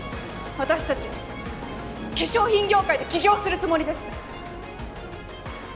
私たち化粧品業界で起業するつもりです。